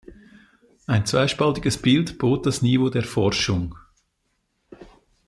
Ein zwiespältiges Bild bot das Niveau der Forschung.